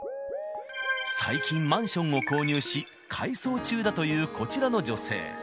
最近、マンションを購入し、改装中だというこちらの女性。